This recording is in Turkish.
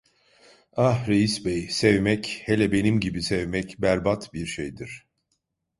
Ah, reis bey, sevmek, hele benim gibi sevmek berbat bir şeydir.